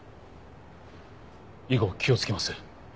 以後気をつけます。